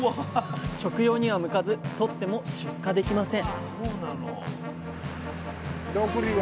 食用には向かずとっても出荷できません